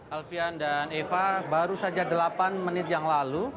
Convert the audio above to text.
alfian dan eva baru saja delapan menit yang lalu